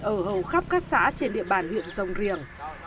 ở hầu khắp các xã trên địa bàn huyện rồng riềng